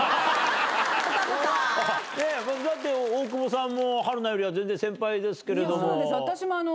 大久保さんも春菜よりは全然先輩ですけれども。